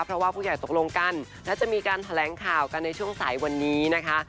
เพราะว่าผู้ใหญ่ตกลงกันและจะมีการแถลงข่าวกันในช่วงสายวันนี้นะคะ